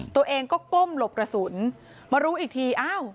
ตัวเองก็ก้มหลบกระสุนมารู้อีกทีอ้าว